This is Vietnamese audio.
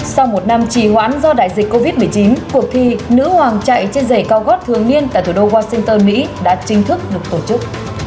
sau một năm trì hoãn do đại dịch covid một mươi chín cuộc thi nữ hoàng chạy trên giày cao gót thường niên tại thủ đô washington mỹ đã chính thức được tổ chức